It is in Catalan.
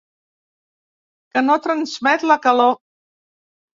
Que no transmet la calor.